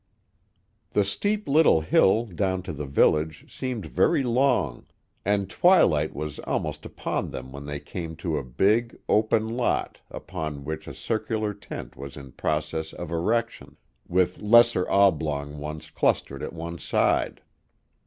The steep little hill down to the village seemed very long, and twilight was almost upon them when they came to a big, open lot upon which a circular tent was in process of erection, with lesser oblong ones clustered at one side.